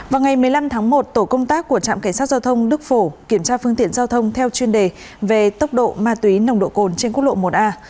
vào ngày một mươi năm tháng một tổ công tác của trạm cảnh sát giao thông đức phổ kiểm tra phương tiện giao thông theo chuyên đề về tốc độ ma túy nồng độ cồn trên quốc lộ một a